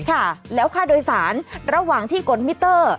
ค่ะแล้วค่าโดยสารระหว่างที่กดมิเตอร์